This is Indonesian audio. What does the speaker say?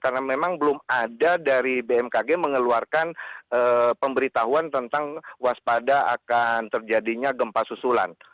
karena memang belum ada dari bmkg mengeluarkan pemberitahuan tentang waspada akan terjadinya gempa susulan